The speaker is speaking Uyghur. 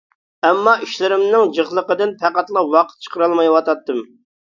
ئەمما ئىشلىرىمنىڭ جىقلىقىدىن پەقەتلا ۋاقىت چىقىرالمايۋاتاتتىم.